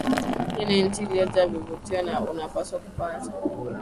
Hii ni nchi iliyojaa vivutio na unapaswa kupata